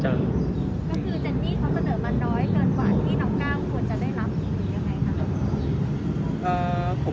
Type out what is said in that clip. แต่ผมมองถึงเรื่องสิทธิของน้องเขาที่ควรจะได้นะครับ